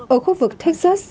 ở khu vực texas